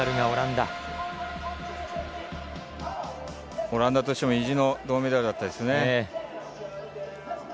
オランダとしても意地の銅メダルでしたね。